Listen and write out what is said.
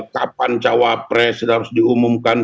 kapan cawa presidensi diumumkan